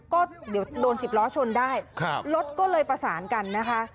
ก็เดี๋ยวโดนสิบล้อชนได้รถก็เลยประสานกันนะคะ